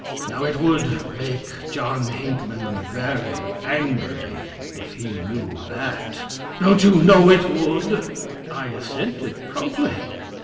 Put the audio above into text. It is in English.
Now, it would make John Hinckman very angry if he knew that. Don't you know it would?" I assented promptly.